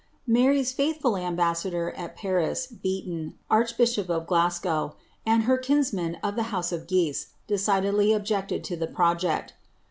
Mary^s lithful ambassador at Paris, Beaton, archbishop of Glasgow, and her jnsmen of the house of Guise, decidedly objected to the project.